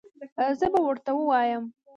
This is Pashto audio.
زه به ورته ووایم